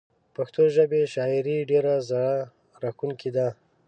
پښتو ژبې شاعري ډيره زړه راښکونکي ده